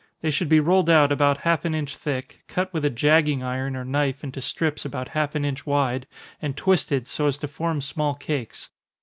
They should be rolled out about half an inch thick, cut with a jagging iron or knife into strips about half an inch wide, and twisted, so as to form small cakes.